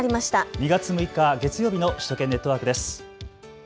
２月６日月曜日の首都圏ネットワークです。